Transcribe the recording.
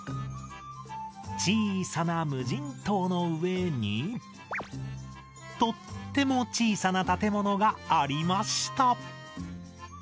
小さな無人島の上にとっても小さな建物がありました